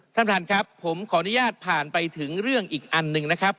ท่านท่านครับผมขออนุญาตผ่านไปถึงเรื่องอีกอันหนึ่งนะครับ